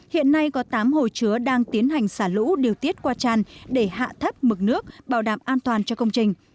hồ chứa đang tiến hành xả lũ điều tiết qua tràn để hạ thấp mực nước bảo đảm an toàn cho công trình